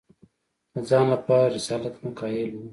د ځان لپاره رسالت نه قایل وو